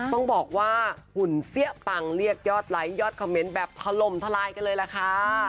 ต้องบอกว่าหุ่นเสี้ยปังเรียกยอดไลค์ยอดคอมเมนต์แบบถล่มทลายกันเลยล่ะค่ะ